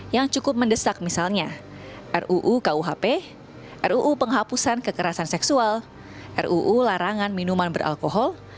yang cukup mendesak misalnya ruu kuhp ruu penghapusan kekerasan seksual ruu larangan minuman beralkohol